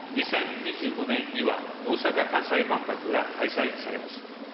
２０２５年には、大阪・関西万博が開催されます。